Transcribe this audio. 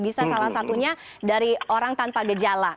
bisa salah satunya dari orang tanpa gejala